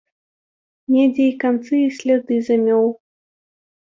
Недзе і канцы і сляды замёў.